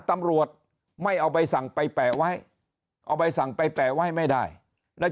ตำรวจไม่เอาใบสั่งไปแปะไว้เอาใบสั่งไปแปะไว้ไม่ได้แล้ว